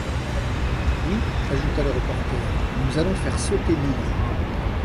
Oui, ajouta le reporter, nous allons faire sauter l’île. .